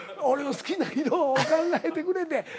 俺の好きな色を考えてくれて。